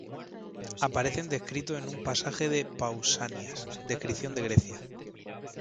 Aparecen descritos en un pasaje de Pausanias' "Descripción de Grecia".